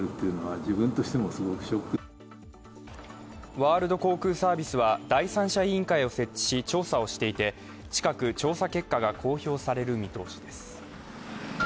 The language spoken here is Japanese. ワールド航空サービスは第三者委員会を設置し調査をしていて近く調査結果が公表される見通しです。